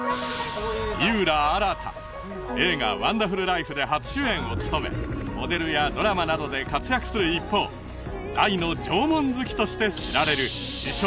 井浦新映画「ワンダフルライフ」で初主演を務めモデルやドラマなどで活躍する一方大の縄文好きとして知られる自称